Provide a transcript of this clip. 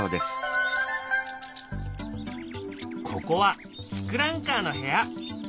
ここは「ツクランカー」の部屋。